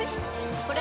これ！